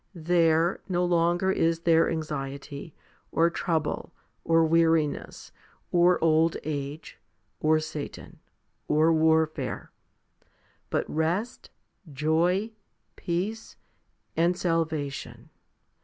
'There, no longer is there anxiety, or trouble, or weariness, or old age, or Satan, or warfare, but rest, joy, peace, and salvation.